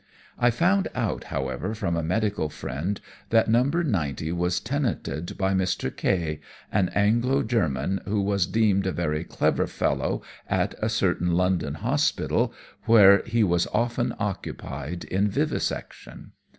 I found out, however, from a medical friend that No. 90 was tenanted by Mr. K , an Anglo German who was deemed a very clever fellow at a certain London hospital, where he was often occupied in vivisection.